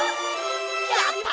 やった！